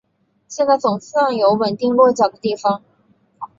现在总算有稳定落脚的地方